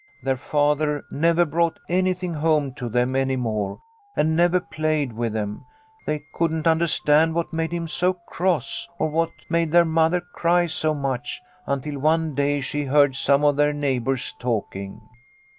Their father never brought anything home to them any more, and never played with them. They couldn't understand what made him so cross, or what made their mother cry so much, until one day she heard some of their neigh bours talking.